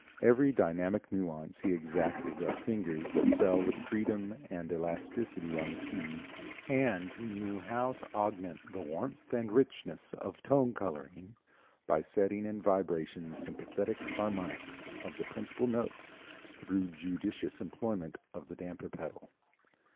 Every dynamic nuance he exacted of fingers that fell with freedom and elasticity on the keys, and he knew how to augment the warmth and richness of tone coloring by setting in vibration sympathetic harmonics of the principal notes through judicious employment of the damper pedal.